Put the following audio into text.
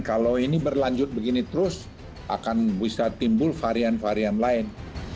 kalau ini berlanjut begini terus akan bisa timbul varian varian lain